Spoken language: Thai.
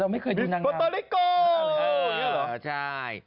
บิฟท์โบตาลิโก